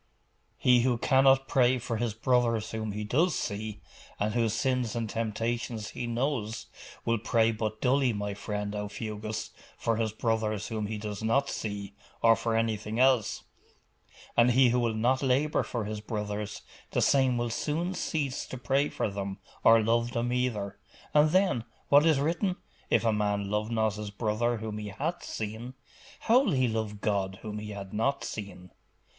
'He who cannot pray for his brothers whom he does see, and whose sins and temptations he knows, will pray but dully, my friend Aufugus, for his brothers whom he does not see, or for anything else. And he who will not labour for his brothers, the same will soon cease to pray for them, or love them either. And then, what is written? "If a man love not his brother whom he hath seen, how will he love God whom he hath not seen?"